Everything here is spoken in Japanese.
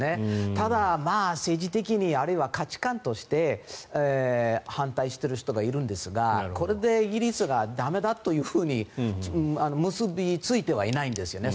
ただ、政治的にあるいは価値観として反対している人がいるんですがこれでイギリスが駄目だというふうに結びついてはいないんですよね。